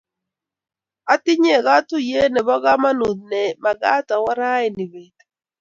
atinye katuyet ne po kamanut ne magat awo raini pet